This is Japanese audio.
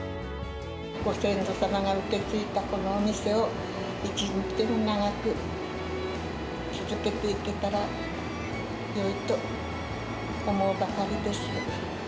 ご先祖様から受け継いだこのお店を、一日でも長く続けていけたらよいと思うばかりです。